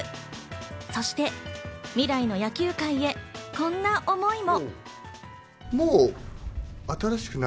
そして未来の野球界へこんな思いも。